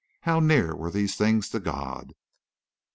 How near were these things to God?